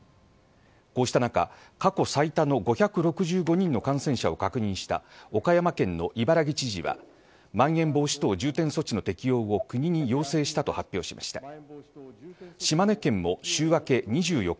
こうした中過去最多の５６５人の感染者を確認した岡山県の伊原木知事はまん延防止等重点措置の適用を国に要請したと発表しました。